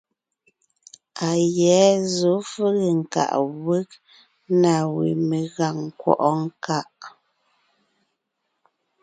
A yɛ̌ zɔ̌ fege nkaʼ wég na we megàŋ nkwɔ́ʼɔ nkaʼ.